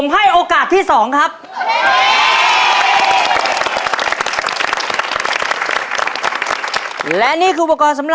ให้ดีไหมพวกเรา